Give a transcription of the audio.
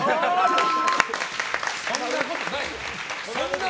そんなことない！